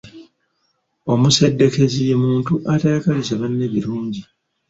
Omuseddeekezi ye muntu atayagaliza banne birungi.